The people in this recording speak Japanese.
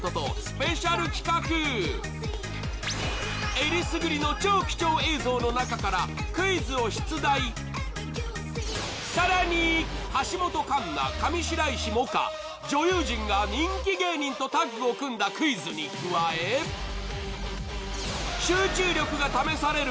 えりすぐりのさらに橋本環奈上白石萌歌女優陣が人気芸人とタッグを組んだクイズに加え集中力が試される